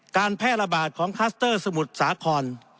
การแพร่ระบาดของคลัสเตอร์สมุทรสาคร